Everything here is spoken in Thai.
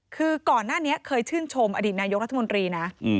คือก่อนหน้านี้เคยชื่นชมอดีตนายกรัฐมนตรีนะ